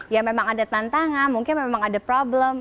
ya memang ada tantangan mungkin memang ada problem